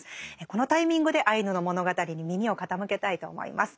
このタイミングでアイヌの物語に耳を傾けたいと思います。